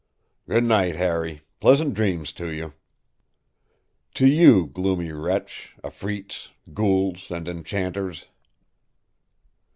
” “Good night, Harry. Pleasant dreams to you.” “To you, gloomy wretch, afreets, ghouls, and enchanters.